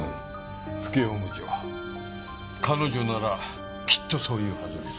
府警本部長彼女ならきっとそう言うはずです。